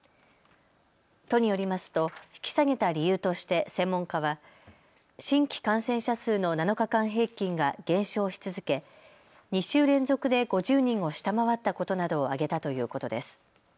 都によりますと引き下げた理由として専門家は新規感染者数の７日間平均が減少し続け２週連続で５０人を下回ったことなどを挙げたということです。